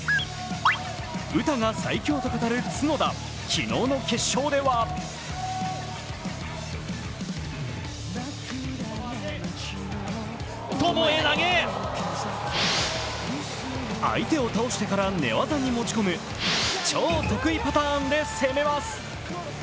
詩が最強と語る角田、昨日の決勝では相手を倒してから寝技に持ち込む超得意パターンで攻めます。